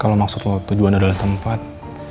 kalo maksud lo tujuan ada di tempat